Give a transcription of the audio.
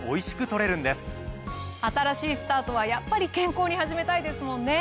新しいスタートはやっぱり健康に始めたいですもんね。